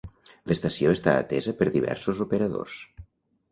L'estació està atesa per diversos operadors.